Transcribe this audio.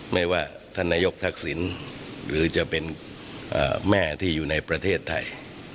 ไม่ว่าท่านนายกทักษิณหรือจะเป็นแม่ที่อยู่ในประเทศไทย